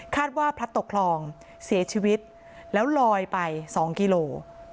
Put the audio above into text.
คาดว่าพลัดตกคลองเสียชีวิตแล้วลอยไปสองกิโลเมตร